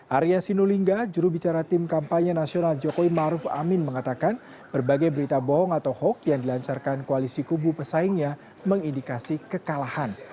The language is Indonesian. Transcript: arya sinulinga jurubicara tim kampanye nasional jokowi maruf amin mengatakan berbagai berita bohong atau hoax yang dilancarkan koalisi kubu pesaingnya mengindikasi kekalahan